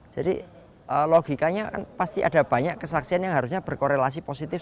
jadi logikanya kan pasti ada banyak kesaksian yang harusnya berkorelasi pada peristiwa